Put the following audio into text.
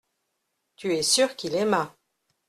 Tu es sûr qu’il aima.